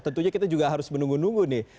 tentunya kita juga harus menunggu nunggu nih